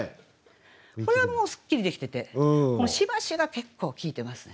これはもうすっきりできててこの「暫し」が結構効いてますね。